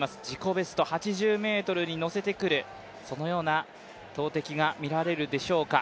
ベスト８０ｍにのせてくる、そのような投てきが見られるでしょうか。